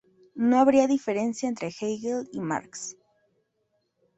No habría diferencia entre Hegel y Marx.